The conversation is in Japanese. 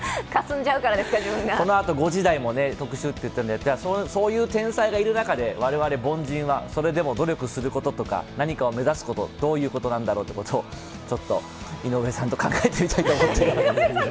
このあと５時台も特集なので、そういう天才がいる中で、我々凡人はそれでも努力することとか、何かを目指すこと、どういうことなんだろうということをちょっと井上さんと考えてみたいと思っています。